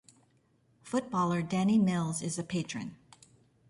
Footballer Danny Mills is a patron.